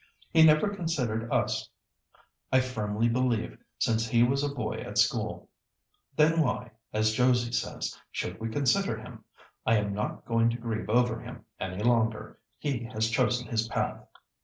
He never considered us, I firmly believe, since he was a boy at school. Then why, as Josie says, should we consider him? I am not going to grieve over him any longer. He has chosen his path."